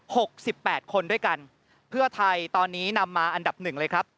หกสิบแปดคนด้วยกันเพื่อไทยตอนนี้นำมาอันดับหนึ่งเลยครับ